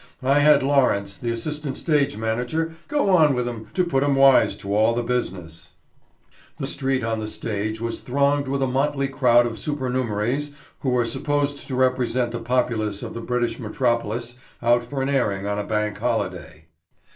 I had Lawrence, the assistant stage manager, go on with 'em to put 'em wise to all the business." The mimic street on the stage was thronged with a motley crowd of supernumeraries who were supposed to represent the populace of the British metropolis out for an airing on a bank holiday.